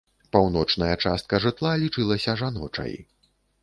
Паўночная частка жытла лічылася жаночай.